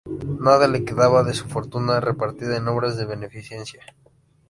Nada le quedaba de su fortuna, repartida en obras de beneficencia.